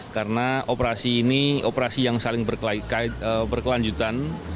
karena operasi ini operasi yang saling berkelanjutan